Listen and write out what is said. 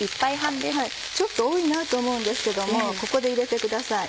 ちょっと多いなと思うんですけどもここで入れてください。